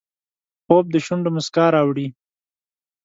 خوب د شونډو مسکا راوړي